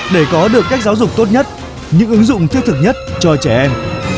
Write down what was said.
để có được cách giáo dục tốt nhất những ứng dụng thiết thực nhất cho trẻ em